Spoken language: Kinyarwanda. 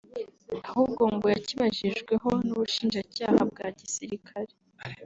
ahubwo ngo yakibajijweho n’Ubushinjacyaha bwa gisirikare